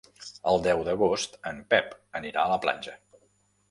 El deu d'agost en Pep anirà a la platja.